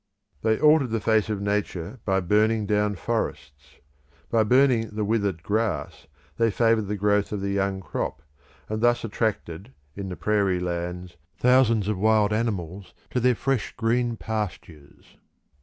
They altered the face of nature by burning down forests. By burning the withered grass they favoured the growth of the young crop, and thus attracted, in the prairie lands, thousands of wild animals to their fresh green pastures.